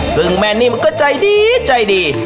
ซึ่งแม่นิ่มก็ใจดีใจดี